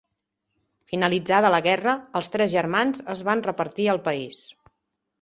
Finalitzada la guerra, els tres germans es van repartir el país.